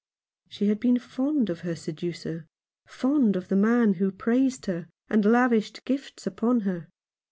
She had been fond of her seducer — fond of the man who praised her, and lavished gifts upon her.